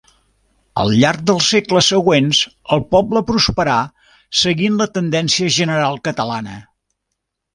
Al llarg dels segles següents el poble prosperà seguint la tendència general catalana.